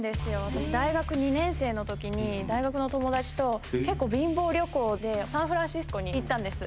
私大学２年生の時に大学の友達と結構貧乏旅行でサンフランシスコに行ったんです。